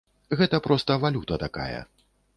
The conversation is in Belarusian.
Гэта проста валюта такая.